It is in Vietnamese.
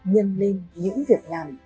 nhân lên những việc làm